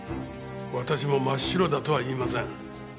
私も真っ白だとは言いません。